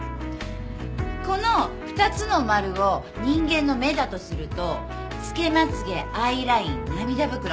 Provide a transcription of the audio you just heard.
この２つの丸を人間の目だとするとつけまつ毛アイライン涙袋。